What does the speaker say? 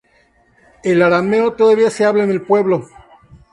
El arameo todavía se habla en el pueblo.